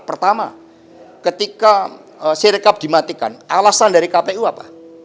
pertama ketika si rekap dimatikan alasan dari kpu apa